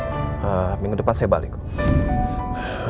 aduh kelamaan lagi kalau harus ketemu satu minggu lagi